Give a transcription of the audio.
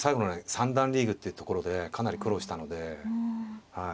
三段リーグっていうところでかなり苦労したのではい。